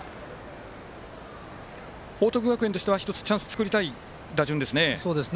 報徳学園としては１つチャンス作りたい打順ですね。